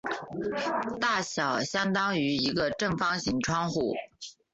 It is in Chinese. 大小相当于一个正方形窗户。